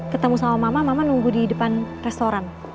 ketemu sama mamah mamah nunggu di depan restoran